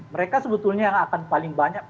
mereka sebetulnya yang akan paling banyak